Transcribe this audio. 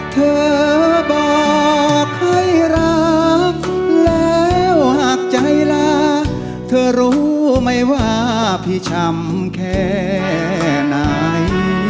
เธอบอกให้รักแล้วหากใจลาเธอรู้ไหมว่าพี่ชำแค่ไหน